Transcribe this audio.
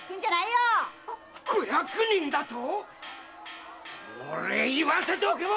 こ小役人だと⁉おのれ言わせておけば！